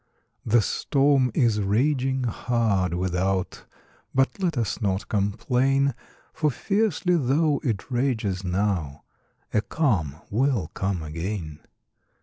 The storm is raging hard, without; But let us not complain, For fiercely tho' it rages now, A calm will come again.